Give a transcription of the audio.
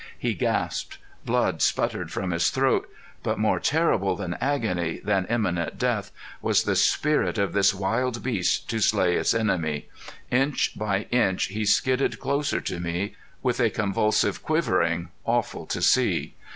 He gasped. Blood sputtered from his throat. But more terrible than agony, than imminent death was the spirit of this wild beast to slay its enemy. Inch by inch he skidded closer to me, with a convulsive quivering awful to see.